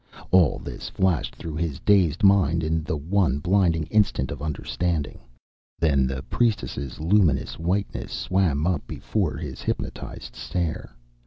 All this flashed through his dazed mind in the one blinding instant of understanding. Then the priestess' luminous whiteness swam up before his hypnotized stare.